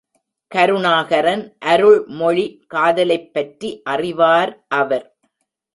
கருணாகரன் அருள்மொழி காதலைப் பற்றி அறிவார் அவர்.